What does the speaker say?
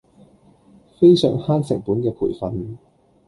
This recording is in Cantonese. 非常慳成本嘅培訓